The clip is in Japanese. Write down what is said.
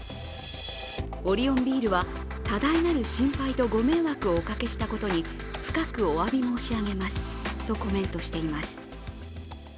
オリオンビールは多大なる心配とご迷惑をおかけしたことに、深くおわび申し上げますとコメントしています。